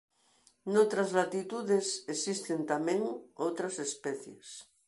Noutras latitudes existen tamén outras especies.